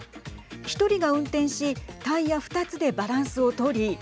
１人が運転しタイヤ２つでバランスを取り